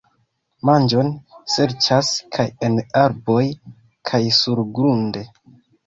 Manĝon serĉas kaj en arboj kaj surgrunde.